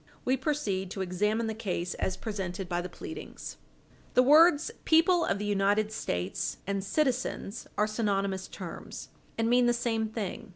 We proceed to examine the case as presented by the pleadings. The words "people of the United States" and "citizens" are synonymous terms, and mean the same thing.